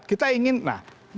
kita ingin nah